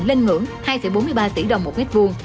lên ngưỡng hai bốn mươi ba tỷ đồng một mét vuông